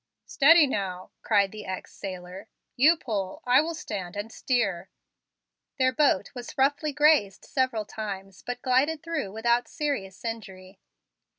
"Steady now," cried the ex sailor. "You pull; I will stand and steer." Their boat was roughly grazed several times, but glided through without serious injury.